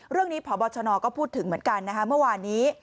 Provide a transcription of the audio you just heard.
เรื่องนี้พบชนก็พูดถึงเหมือนกันนะคะเมื่อวานี้